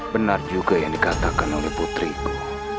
benar juga yang dikatakan oleh putriku